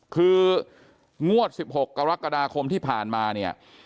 คืองวด๑๖กรกฎาคมที่ผ่านมาเนี่ย